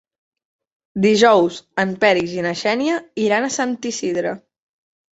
Dijous en Peris i na Xènia iran a Sant Isidre.